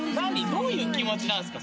どういう気持ちなんすか？